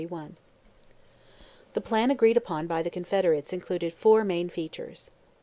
The plan agreed upon by the Confederates included four main features.